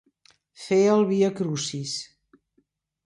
Fer el viacrucis.